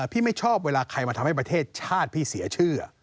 พี่ไม่ชอบเวลาใครมาทำให้ประเทศชาติพี่เสียชื่อ